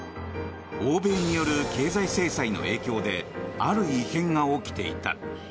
欧米による経済制裁の影響である異変が起きていた。